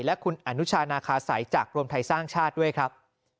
และคุณอนุชานาคาสัยจากรวมไทยสร้างชาติด้วยครับ